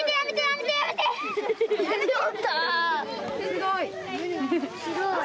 すごい。